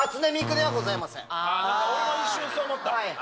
俺も一瞬そう思った。